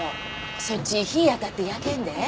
そっち日ぃ当たって焼けんで。